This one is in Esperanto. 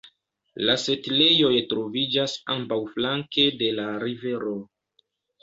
La setlejoj troviĝas ambaŭflanke de la rivero.